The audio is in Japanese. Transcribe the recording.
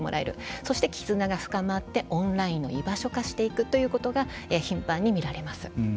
そして絆が深まってオンラインの居場所化していくということが頻繁に見られます。